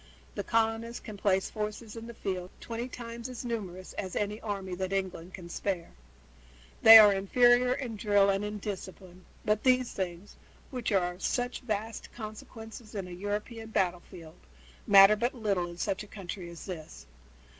The colonists can place forces in the field twenty times as numerous as any army that England can spare. They are inferior in drill and in discipline, but these things, which are of such vast consequence in a European battlefield, matter but little in such a country as this.